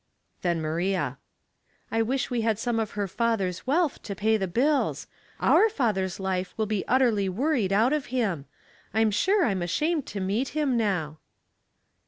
Then Maria. " I wish we had some of her father's wealth to pay the bills. Our father's life will be utterly worried out of him. I'm sure I'm ashamed to meet him now."